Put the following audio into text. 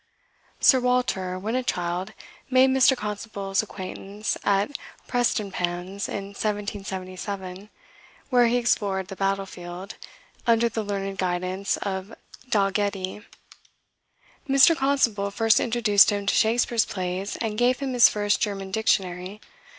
Sir Walter, when a child, made Mr. Constable's acquaintance at Prestonpans in 1777, where he explored the battle field "under the learned guidance of Dalgetty." Mr. Constable first introduced him to Shakspeare's plays, and gave him his first German dictionary.